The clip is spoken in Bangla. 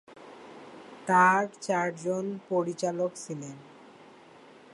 তার চারজন পরিচালক ছিলেন।